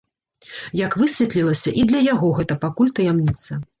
Як высветлілася, і для яго гэта пакуль таямніца.